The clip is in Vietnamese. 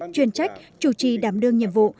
chuyên trách chủ trì đảm đương nhiệm vụ